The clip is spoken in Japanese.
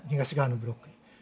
東側のブロック。